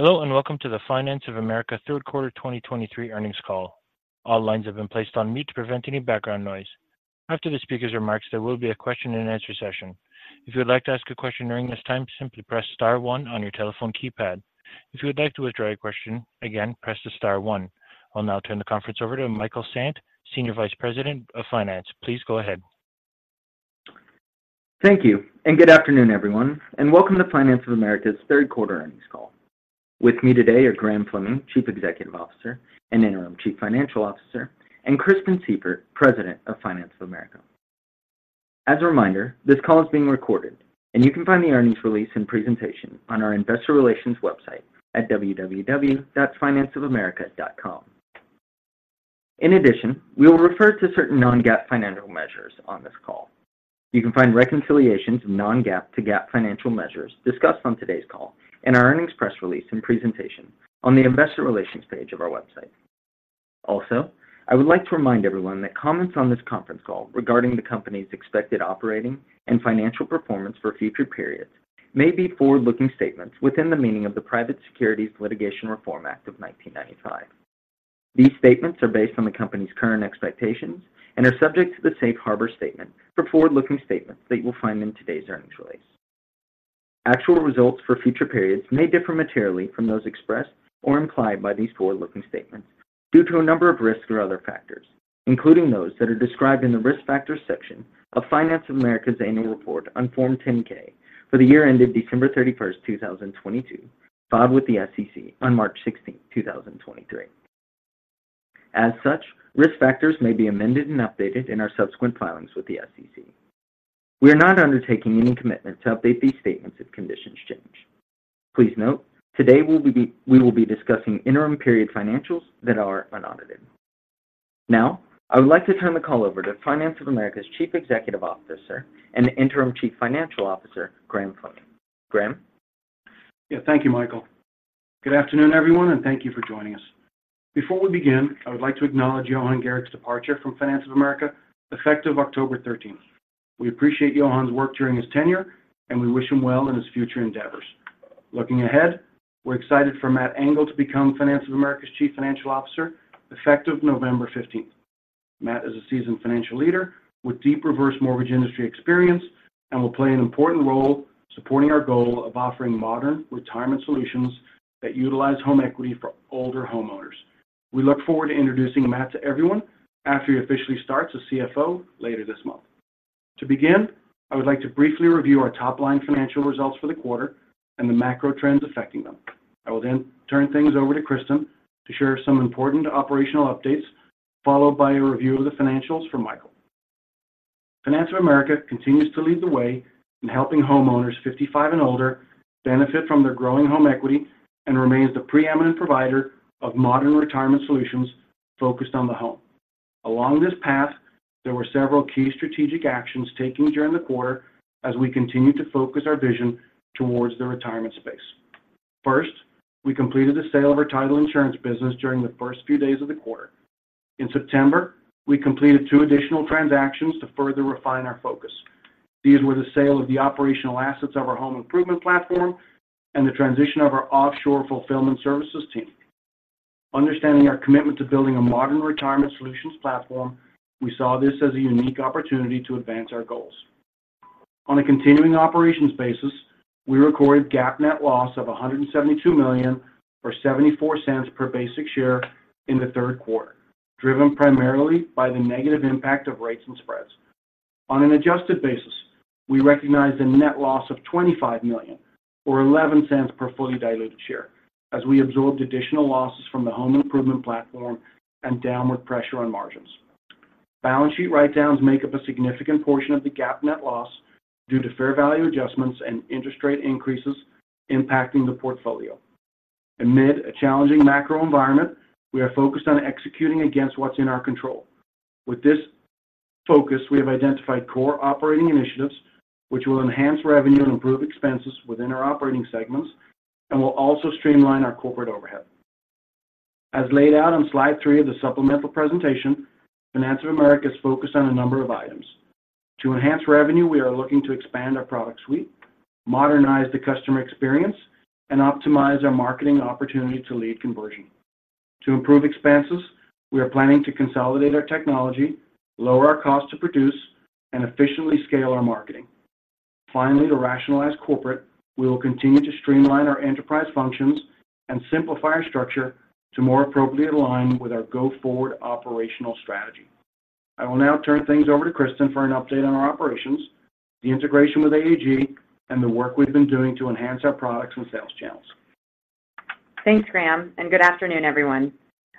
Hello, and welcome to the Finance of America third quarter 2023 earnings call. All lines have been placed on mute to prevent any background noise. After the speaker's remarks, there will be a question and answer session. If you would like to ask a question during this time, simply press star one on your telephone keypad. If you would like to withdraw your question, again, press the star one. I'll now turn the conference over to Michael Sant, Senior Vice President of Finance. Please go ahead. Thank you, and good afternoon, everyone, and welcome to Finance of America's third quarter earnings call. With me today are Graham Fleming, Chief Executive Officer and Interim Chief Financial Officer, and Kristen Sieffert, President of Finance of America. As a reminder, this call is being recorded, and you can find the earnings release and presentation on our investor relations website at www.financeofamerica.com. In addition, we will refer to certain non-GAAP financial measures on this call. You can find reconciliations of non-GAAP to GAAP financial measures discussed on today's call in our earnings press release and presentation on the investor relations page of our website. Also, I would like to remind everyone that comments on this conference call regarding the company's expected operating and financial performance for future periods may be forward-looking statements within the meaning of the Private Securities Litigation Reform Act of 1995. These statements are based on the company's current expectations and are subject to the safe harbor statement for forward-looking statements that you will find in today's earnings release. Actual results for future periods may differ materially from those expressed or implied by these forward-looking statements due to a number of risks or other factors, including those that are described in the Risk Factors section of Finance of America's Annual Report on Form 10-K for the year ended December 31, 2022, filed with the SEC on March 16, 2023. As such, risk factors may be amended and updated in our subsequent filings with the SEC. We are not undertaking any commitment to update these statements if conditions change. Please note, today we will be discussing interim period financials that are unaudited. Now, I would like to turn the call over to Finance of America's Chief Executive Officer and Interim Chief Financial Officer, Graham Fleming. Graham? Yeah, thank you, Michael. Good afternoon, everyone, and thank you for joining us. Before we begin, I would like to acknowledge Johan Gericke's departure from Finance of America, effective October thirteenth. We appreciate Johan's work during his tenure, and we wish him well in his future endeavors. Looking ahead, we're excited for Matt Engel to become Finance of America's Chief Financial Officer, effective November fifteenth. Matt is a seasoned financial leader with deep reverse mortgage industry experience and will play an important role supporting our goal of offering modern retirement solutions that utilize home equity for older homeowners. We look forward to introducing Matt to everyone after he officially starts as CFO later this month. To begin, I would like to briefly review our top-line financial results for the quarter and the macro trends affecting them. I will then turn things over to Kristen to share some important operational updates, followed by a review of the financials from Michael. Finance of America continues to lead the way in helping homeowners 55 and older benefit from their growing home equity and remains the preeminent provider of modern retirement solutions focused on the home. Along this path, there were several key strategic actions taken during the quarter as we continued to focus our vision towards the retirement space. First, we completed the sale of our title insurance business during the first few days of the quarter. In September, we completed two additional transactions to further refine our focus. These were the sale of the operational assets of our home improvement platform and the transition of our offshore fulfillment services team. Understanding our commitment to building a modern retirement solutions platform, we saw this as a unique opportunity to advance our goals. On a continuing operations basis, we recorded GAAP net loss of $172 million or $0.74 per basic share in the third quarter, driven primarily by the negative impact of rates and spreads. On an adjusted basis, we recognized a net loss of $25 million or $0.11 per fully diluted share, as we absorbed additional losses from the home improvement platform and downward pressure on margins. Balance sheet write-downs make up a significant portion of the GAAP net loss due to fair value adjustments and interest rate increases impacting the portfolio. Amid a challenging macro environment, we are focused on executing against what's in our control. With this focus, we have identified core operating initiatives which will enhance revenue and improve expenses within our operating segments and will also streamline our corporate overhead. As laid out on slide 3 of the supplemental presentation, Finance of America is focused on a number of items. To enhance revenue, we are looking to expand our product suite, modernize the customer experience, and optimize our marketing opportunity to lead conversion. To improve expenses, we are planning to consolidate our technology, lower our cost to produce, and efficiently scale our marketing. Finally, to rationalize corporate, we will continue to streamline our enterprise functions and simplify our structure to more appropriately align with our go-forward operational strategy. I will now turn things over to Kristen for an update on our operations, the integration with AAG, and the work we've been doing to enhance our products and sales channels. Thanks, Graham, and good afternoon, everyone.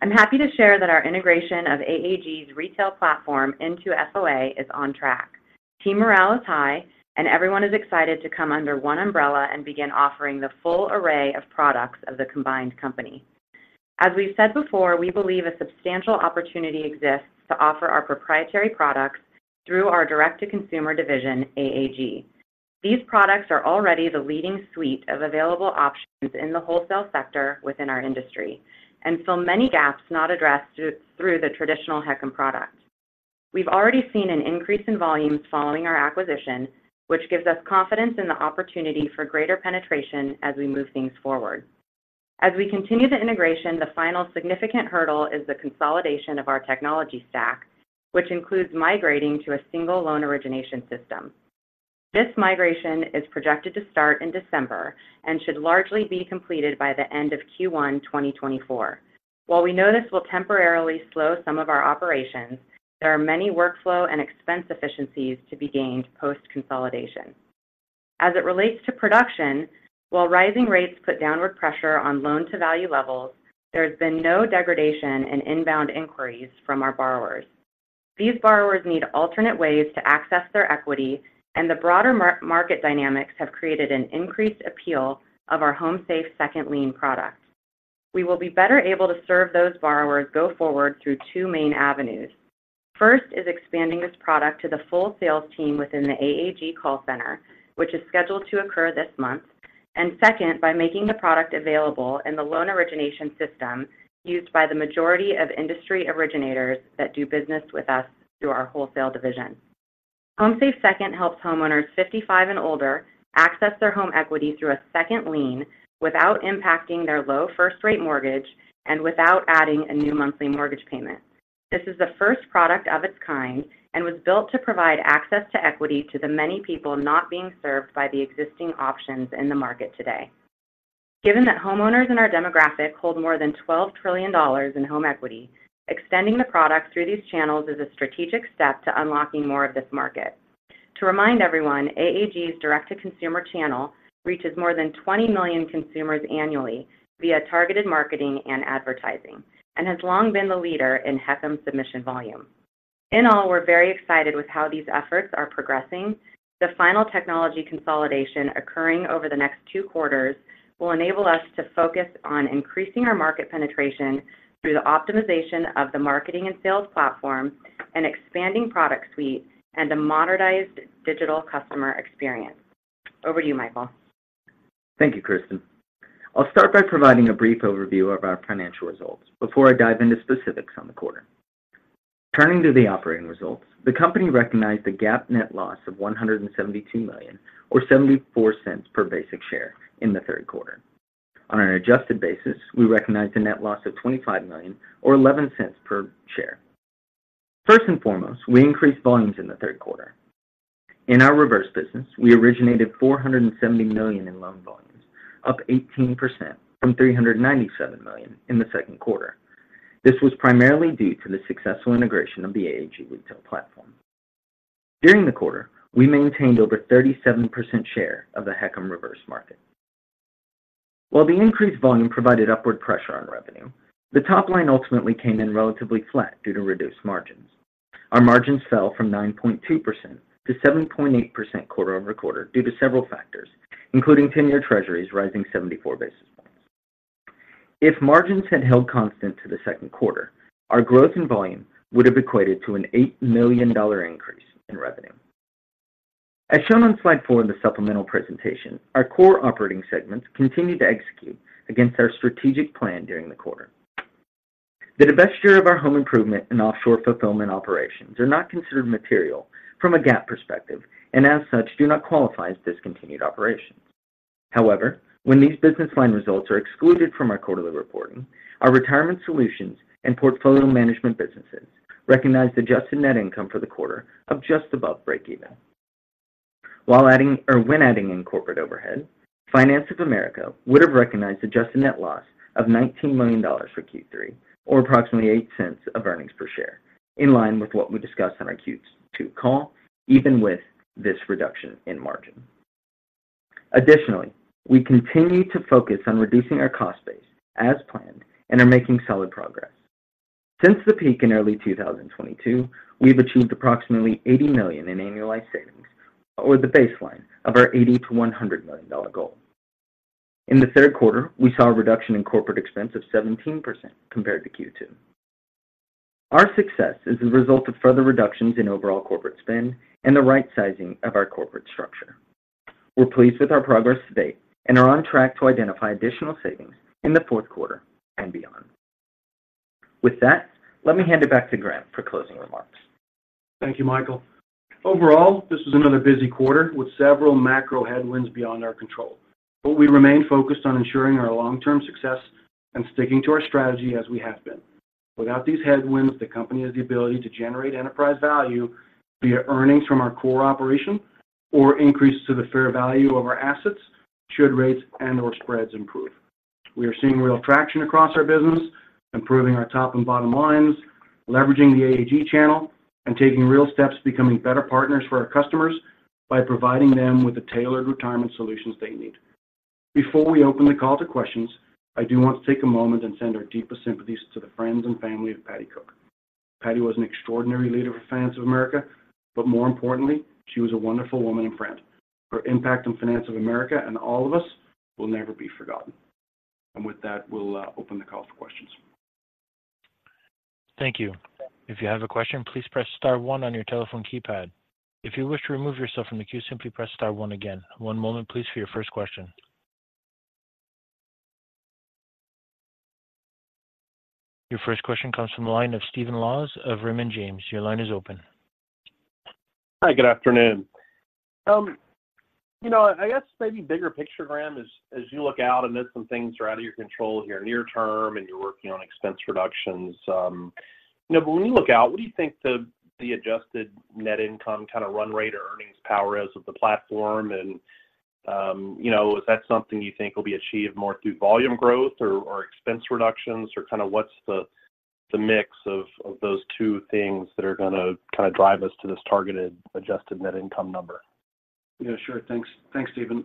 I'm happy to share that our integration of AAG's retail platform into FOA is on track. Team morale is high, and everyone is excited to come under one umbrella and begin offering the full array of products of the combined company. As we've said before, we believe a substantial opportunity exists to offer our proprietary products through our direct-to-consumer division, AAG. These products are already the leading suite of available options in the wholesale sector within our industry and fill many gaps not addressed through the traditional HECM product.... We've already seen an increase in volumes following our acquisition, which gives us confidence in the opportunity for greater penetration as we move things forward. As we continue the integration, the final significant hurdle is the consolidation of our technology stack, which includes migrating to a single loan origination system. This migration is projected to start in December and should largely be completed by the end of Q1, 2024. While we know this will temporarily slow some of our operations, there are many workflow and expense efficiencies to be gained post-consolidation. As it relates to production, while rising rates put downward pressure on loan-to-value levels, there has been no degradation in inbound inquiries from our borrowers. These borrowers need alternate ways to access their equity, and the broader market dynamics have created an increased appeal of our HomeSafe Second Lien product. We will be better able to serve those borrowers go forward through two main avenues. First is expanding this product to the full sales team within the AAG call center, which is scheduled to occur this month, and second, by making the product available in the loan origination system used by the majority of industry originators that do business with us through our wholesale division. HomeSafe Second helps homeowners 55 and older access their home equity through a second lien without impacting their low fixed-rate mortgage and without adding a new monthly mortgage payment. This is the first product of its kind and was built to provide access to equity to the many people not being served by the existing options in the market today. Given that homeowners in our demographic hold more than $12 trillion in home equity, extending the product through these channels is a strategic step to unlocking more of this market. To remind everyone, AAG's direct-to-consumer channel reaches more than 20 million consumers annually via targeted marketing and advertising, and has long been the leader in HECM submission volume. In all, we're very excited with how these efforts are progressing. The final technology consolidation occurring over the next two quarters will enable us to focus on increasing our market penetration through the optimization of the marketing and sales platform and expanding product suite and a modernized digital customer experience. Over to you, Michael. Thank you, Kristen. I'll start by providing a brief overview of our financial results before I dive into specifics on the quarter. Turning to the operating results, the company recognized a GAAP net loss of $172 million, or $0.74 per basic share in the third quarter. On an adjusted basis, we recognized a net loss of $25 million or $0.11 per share. First and foremost, we increased volumes in the third quarter. In our reverse business, we originated $470 million in loan volumes, up 18% from $397 million in the second quarter. This was primarily due to the successful integration of the AAG Retail platform. During the quarter, we maintained over 37% share of the HECM reverse market. While the increased volume provided upward pressure on revenue, the top line ultimately came in relatively flat due to reduced margins. Our margins fell from 9.2% to 7.8% quarter-over-quarter due to several factors, including 10-year Treasuries rising 74 basis points. If margins had held constant to the second quarter, our growth in volume would have equated to an $8 million increase in revenue. As shown on slide 4 in the supplemental presentation, our core operating segments continued to execute against our strategic plan during the quarter. The divestiture of our home improvement and offshore fulfillment operations are not considered material from a GAAP perspective and as such, do not qualify as discontinued operations. However, when these business line results are excluded from our quarterly reporting, our retirement solutions and portfolio management businesses recognized adjusted net income for the quarter of just above breakeven. While adding-- or when adding in corporate overhead, Finance of America would have recognized adjusted net loss of $19 million for Q3, or approximately $0.08 of earnings per share, in line with what we discussed on our Q2 call, even with this reduction in margin. Additionally, we continue to focus on reducing our cost base as planned and are making solid progress. Since the peak in early 2022, we've achieved approximately $80 million in annualized savings or the baseline of our $80-$100 million goal. In the third quarter, we saw a reduction in corporate expense of 17% compared to Q2. Our success is the result of further reductions in overall corporate spend and the right sizing of our corporate structure. We're pleased with our progress to date and are on track to identify additional savings in the fourth quarter and beyond. With that, let me hand it back to Graham for closing remarks. Thank you, Michael. Overall, this was another busy quarter with several macro headwinds beyond our control, but we remain focused on ensuring our long-term success and sticking to our strategy as we have been. Without these headwinds, the company has the ability to generate enterprise value via earnings from our core operation or increases to the fair value of our assets should rates and/or spreads improve. We are seeing real traction across our business, improving our top and bottom lines, leveraging the AAG channel, and taking real steps to becoming better partners for our customers by providing them with the tailored retirement solutions they need. Before we open the call to questions, I do want to take a moment and send our deepest sympathies to the friends and family of Patti Cook. Patti was an extraordinary leader of Finance of America, but more importantly, she was a wonderful woman and friend. Her impact on Finance of America and all of us will never be forgotten. And with that, we'll open the call for questions. Thank you. If you have a question, please press star one on your telephone keypad. If you wish to remove yourself from the queue, simply press star one again. One moment, please, for your first question.... Your first question comes from the line of Steven Laws of Raymond James. Your line is open. Hi, good afternoon. You know, I guess maybe bigger picture, Graham, as you look out, I know some things are out of your control here near term, and you're working on expense reductions. You know, but when you look out, what do you think the adjusted net income kind of run rate or earnings power is of the platform? And, you know, is that something you think will be achieved more through volume growth or expense reductions, or kind of what's the mix of those two things that are gonna kind of drive us to this targeted adjusted net income number? Yeah, sure. Thanks. Thanks, Steven.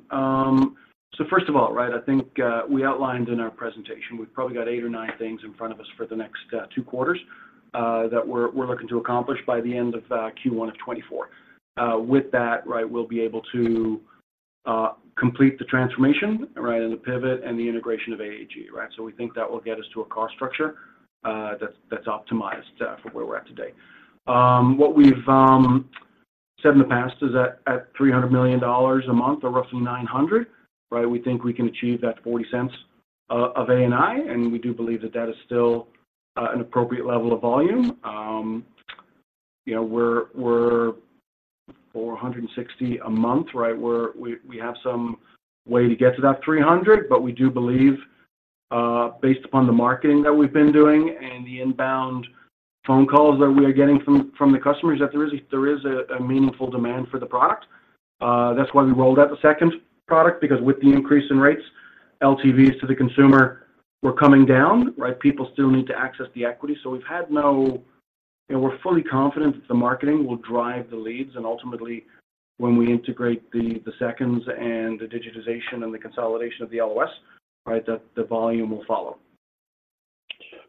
So first of all, right, I think we outlined in our presentation, we've probably got eight or nine things in front of us for the next two quarters that we're looking to accomplish by the end of Q1 of 2024. With that, right, we'll be able to complete the transformation, right, and the pivot and the integration of AAG, right? So we think that will get us to a cost structure that's optimized from where we're at today. What we've said in the past is that at $300 million a month, or roughly $900 million, right, we think we can achieve that $0.40 of ANI, and we do believe that that is still an appropriate level of volume. You know, we're 460 a month, right? We have some way to get to that 300, but we do believe, based upon the marketing that we've been doing and the inbound phone calls that we are getting from the customers, that there is a meaningful demand for the product. That's why we rolled out the second product, because with the increase in rates, LTVs to the consumer were coming down, right? People still need to access the equity. So, you know, we're fully confident that the marketing will drive the leads. And ultimately, when we integrate the seconds and the digitization and the consolidation of the LOS, right, the volume will follow.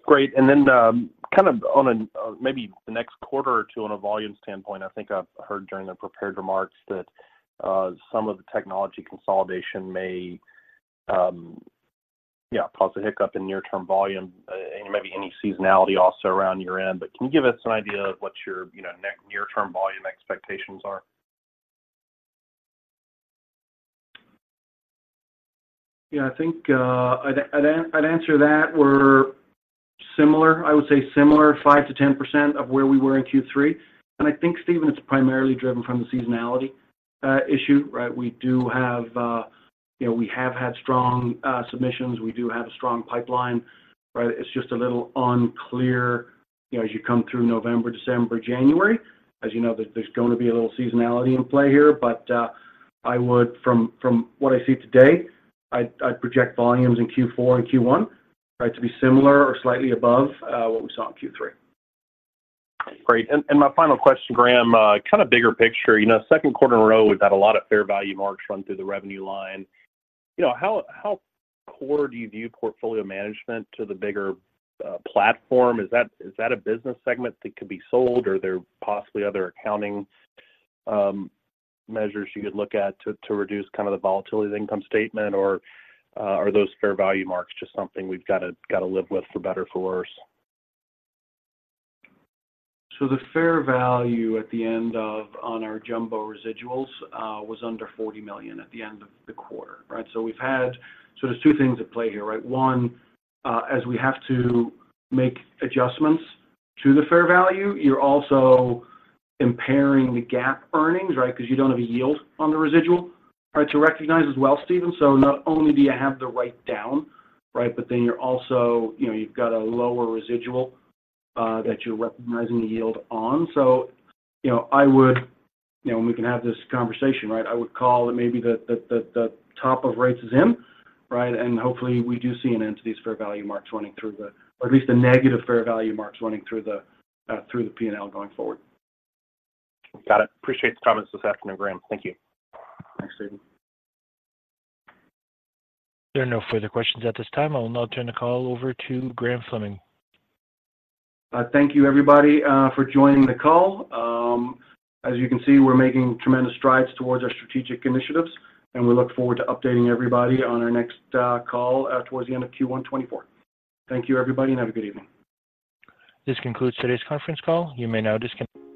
Great. And then, kind of on a, maybe the next quarter or two on a volume standpoint, I think I've heard during the prepared remarks that some of the technology consolidation may, yeah, cause a hiccup in near-term volume, and maybe any seasonality also around year-end. But can you give us an idea of what your, you know, near-term volume expectations are? Yeah, I think, I'd answer that we're similar. I would say similar, 5%-10% of where we were in Q3. I think, Steven, it's primarily driven from the seasonality issue, right? We do have, you know, we have had strong submissions. We do have a strong pipeline, right? It's just a little unclear, you know, as you come through November, December, January. As you know, there's going to be a little seasonality in play here, but I would from what I see today, I'd project volumes in Q4 and Q1, right, to be similar or slightly above what we saw in Q3. Great. And my final question, Graham, kind of bigger picture. You know, second quarter in a row, we've had a lot of fair value marks run through the revenue line. You know, how core do you view portfolio management to the bigger platform? Is that a business segment that could be sold, or are there possibly other accounting measures you could look at to reduce kind of the volatility of the income statement, or are those fair value marks just something we've gotta live with, for better or for worse? So the fair value at the end of, on our jumbo residuals, was under $40 million at the end of the quarter, right? So we've had. So there's two things at play here, right? One, as we have to make adjustments to the fair value, you're also impairing the GAAP earnings, right? Because you don't have a yield on the residual, to recognize as well, Steven. So not only do you have the write down, right, but then you're also, you know, you've got a lower residual, that you're recognizing the yield on. So, you know, I would, you know, when we can have this conversation, right, I would call it maybe the top of rates is in, right? Hopefully, we do see an end to these fair value marks running through the, or at least the negative fair value marks running through the P&L going forward. Got it. Appreciate the comments this afternoon, Graham. Thank you. Thanks, Steven. There are no further questions at this time. I will now turn the call over to Graham Fleming. Thank you, everybody, for joining the call. As you can see, we're making tremendous strides towards our strategic initiatives, and we look forward to updating everybody on our next call towards the end of Q1 2024. Thank you, everybody, and have a good evening. This concludes today's conference call. You may now disconnect.